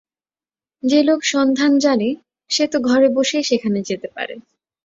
যে লোক সন্ধান জানে সে তো ঘরে বসেই সেখানে যেতে পারে।